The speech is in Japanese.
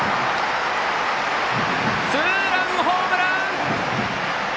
ツーランホームラン！